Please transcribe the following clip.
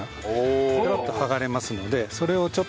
ペロッと剥がれますのでそれをちょっと。